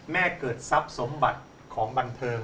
เกิดทรัพย์สมบัติของบันเทิง